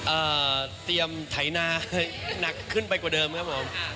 เตรียมไถนาหนักขึ้นไปกว่าเดิมครับผม